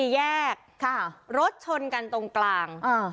๔แยกรถชนกันตรงกลาง